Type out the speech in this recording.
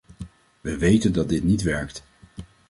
We weten dat dit niet werkt.